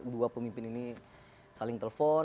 dua pemimpin ini saling telepon